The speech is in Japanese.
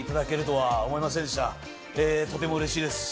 とても嬉しいです。